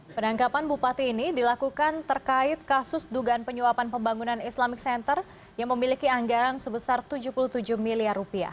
penangkapan bupati ini dilakukan terkait kasus dugaan penyuapan pembangunan islamic center yang memiliki anggaran sebesar rp tujuh puluh tujuh miliar